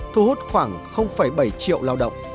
thu hút khoảng bảy triệu lao động